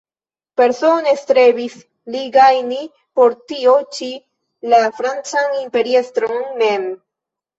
Persone strebis li gajni por tio ĉi la francan imperiestron mem.